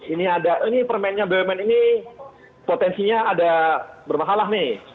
ini ada ini permennya bumn ini potensinya ada bermasalah nih